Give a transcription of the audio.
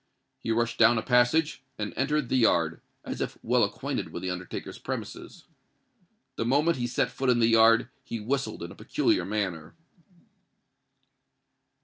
He rushed down a passage, and entered the yard—as if well acquainted with the undertaker's premises. The moment he set foot in the yard, he whistled in a peculiar manner.